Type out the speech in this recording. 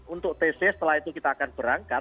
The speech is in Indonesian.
untuk tc setelah itu kita akan berangkat